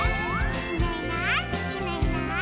「いないいないいないいない」